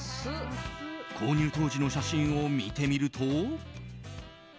購入当時の写真を見てみると。